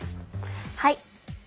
はい。